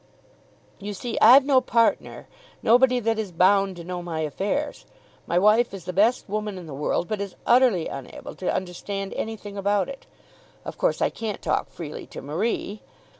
"You see I've no partner, nobody that is bound to know my affairs. My wife is the best woman in the world, but is utterly unable to understand anything about it. Of course I can't talk freely to Marie.